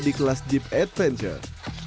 di kelas jeep adventure